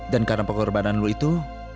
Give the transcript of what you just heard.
dan karena pengorbanan lo itu